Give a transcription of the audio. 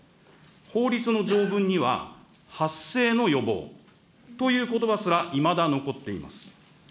法律の条文には、発生の予防ということばすら、いまだ残っています。